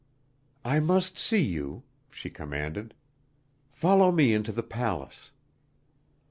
"I must see you," she commanded. "Follow me into the palace."